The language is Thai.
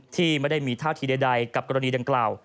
ที่ไม่ได้มีท่าทีใดกับกรณีดังกล่าว